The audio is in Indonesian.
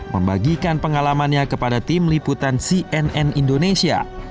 membagikan pengalamannya kepada tim liputan cnn indonesia